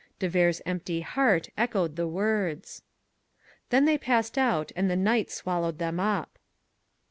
De Vere's empty heart echoed the words. Then they passed out and the night swallowed them up.